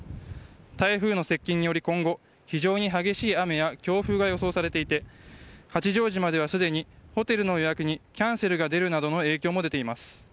台風の接近により今後非常に激しい雨や強風が予想されていて八丈島ではすでにホテルの予約にキャンセルが出るなどの影響も出ています。